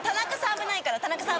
危ないから田中さん